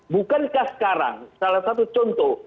bukankah sekarang salah satu contoh